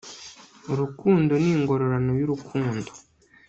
urukundo ni ingororano y'urukundo